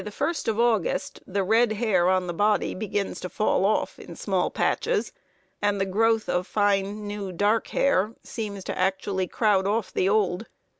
] By the 1st of August the red hair on the body begins to fall off in small patches, and the growth of fine, new, dark hair seems to actually crowd off the old.